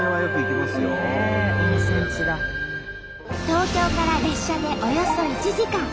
東京から列車でおよそ１時間。